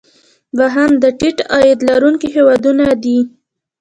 دوهم د ټیټ عاید لرونکي هیوادونه دي.